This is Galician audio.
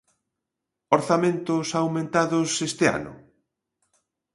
¿Orzamentos aumentados este ano?